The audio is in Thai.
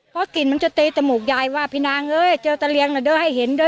เพราะกลิ่นมันจะตีจมูกยายว่าพี่นางเอ้ยเจอตะเรียงนะเด้อให้เห็นเด้อ